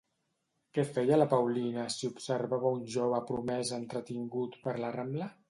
Què feia la Paulina si observava un jove promès entretingut per la Rambla?